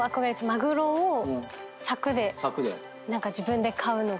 マグロを柵で自分で買うのが。